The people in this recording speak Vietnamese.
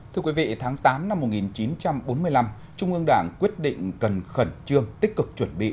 thưa quý vị tháng tám năm một nghìn chín trăm bốn mươi năm trung ương đảng quyết định cần khẩn trương tích cực chuẩn bị